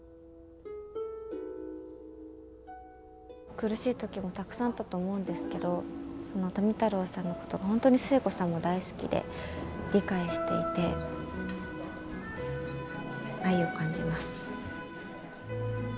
苦しい時もたくさんあったと思うんですけど富太郎さんのことが本当に壽衛さんも大好きで理解していて愛を感じます。